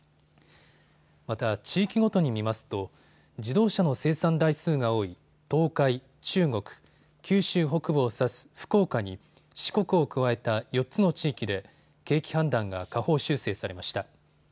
また地域ごとに見ますと自動車の生産台数が多い東海、中国、九州北部を指す福岡に四国を加えた４つの地域で景気判断が下方修正されました。